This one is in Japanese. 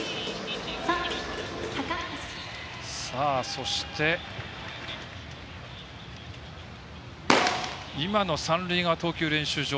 そして、今の三塁側投球練習場。